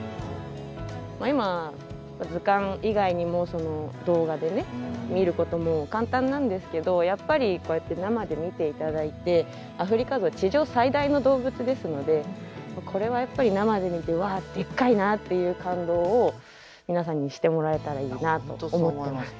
今図鑑以外にも動画で見ることも簡単なんですけどやっぱりこうやって生で見て頂いてアフリカゾウ地上最大の動物ですのでこれはやっぱり生で見て「わあっでっかいな」っていう感動を皆さんにしてもらえたらいいなと思ってます。